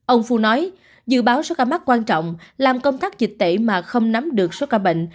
ông phu nói dự báo số ca mắc quan trọng làm công tác dịch tễ mà không nắm được số ca bệnh